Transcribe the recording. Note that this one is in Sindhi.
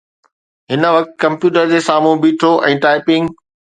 هن وقت ڪمپيوٽر جي سامهون بيٺو ۽ ٽائپنگ.